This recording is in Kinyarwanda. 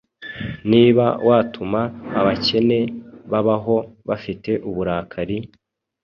Niba watuma abakene babaho bafite uburakari,